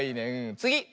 つぎ！